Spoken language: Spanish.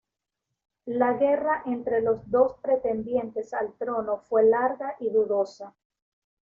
La guerra entre los dos pretendientes al trono fue larga y dudosa.